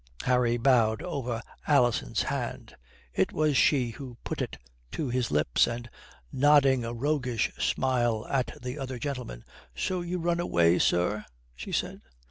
Harry bowed over Alison's hand. It was she who put it to his lips, and nodding a roguish smile at the other gentlemen, "So you run away, sir?" she said.